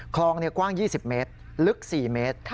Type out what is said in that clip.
คลองกว้าง๒๐เมตรลึก๔เมตร